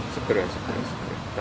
segera segera segera